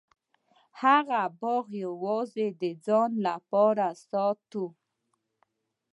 هغه باغ یوازې د ځان لپاره ساته.